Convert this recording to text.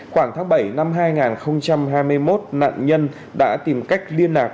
khoảng tháng bảy năm hai nghìn hai mươi một nạn nhân đã tìm cách liên lạc